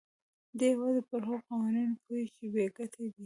دی يوازې پر هغو قوانينو پوهېږي چې بې ګټې دي.